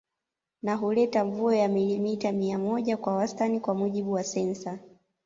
Na huleta mvua ya milimita mia moja kwa wastani kwa mujibu wa sensa